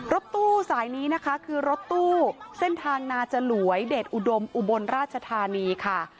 รถตู้สายนี้นะคะคือรถตู้เส้นทางนาจลวยเดชอุดมอุบลราชธานีค่ะ